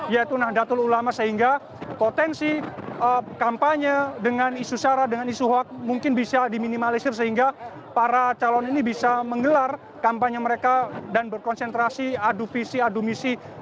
yaitu nahdlatul ulama sehingga potensi kampanye dengan isu syara dengan isu hoax mungkin bisa diminimalisir sehingga para calon ini bisa menggelar kampanye mereka dan berkonsentrasi adu visi adu misi